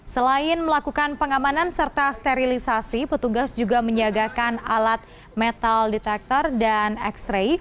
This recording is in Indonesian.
selain melakukan pengamanan serta sterilisasi petugas juga menyiagakan alat metal detector dan x ray